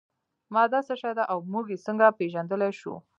ماده څه شی ده او موږ یې څنګه پیژندلی شو